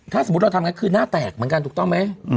ถ้าสมมุติเราทำกันคือหน้าแตกเหมือนกันถูกต้องไหม